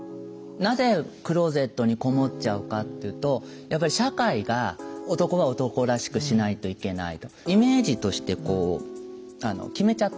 なぜクローゼットにこもっちゃうかっていうとやっぱり社会が男は男らしくしないといけないとイメージとしてこう決めちゃってる。